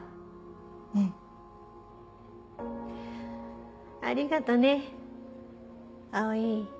うん。ありがとね葵。